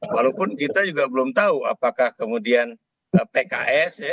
walaupun kita juga belum tahu apakah kemudian pks